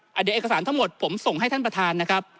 เดี๋ยวเอกสารทั้งหมดผมส่งให้ท่านประธานนะครับ